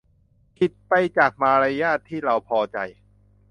ผิดไปจากมารยาทที่เราพอใจ